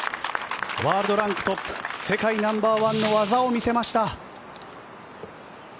ワールドランクトップ世界ナンバーワンの技を見せました。